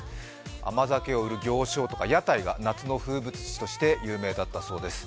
甘酒を売る行商とか屋台が夏の風物詩として有名だったそうです。